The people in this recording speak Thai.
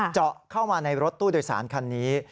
เจาะเข้ามาในรถตู้โดยสารคันนี้